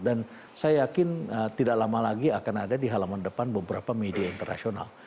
dan saya yakin tidak lama lagi akan ada di halaman depan beberapa media internasional